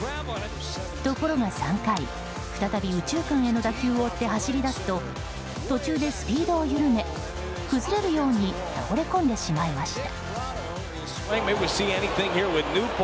ところが３回、再び右中間への打球を追って走り出すと途中で、スピードを緩め崩れるように倒れこんでしまいました。